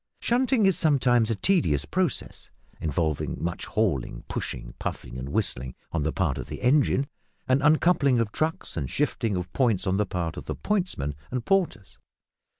Shunting is sometimes a tedious process, involving much hauling, pushing, puffing, and whistling, on the part of the engine, and uncoupling of trucks and shifting of points on the part of pointsmen and porters.